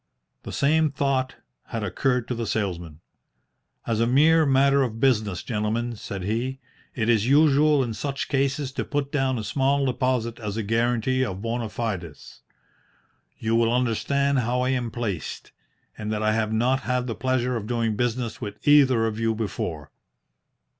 The same thought had occurred to the salesman. "As a mere matter of business, gentlemen," said he, "it is usual in such cases to put down a small deposit as a guarantee of bona fides. You will understand how I am placed, and that I have not had the pleasure of doing business with either of you before."